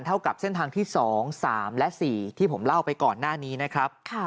เท่ากับเส้นทางที่๒๓และ๔ที่ผมเล่าไปก่อนหน้านี้นะครับ